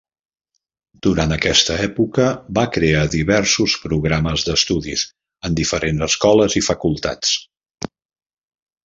Durant aquesta època va crear diversos programes d'estudis en diferents escoles i facultats.